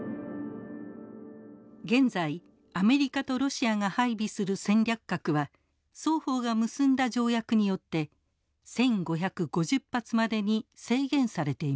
現在アメリカとロシアが配備する戦略核は双方が結んだ条約によって１，５５０発までに制限されています。